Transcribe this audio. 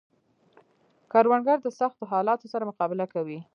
کروندګر د سختو حالاتو سره مقابله کوي